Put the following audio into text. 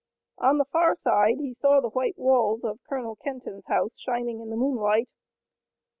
On the far side he saw the white walls of Colonel Kenton's house shining in the moonlight.